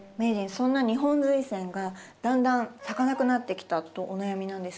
そんなニホンズイセンがだんだん咲かなくなってきたとお悩みなんですけど。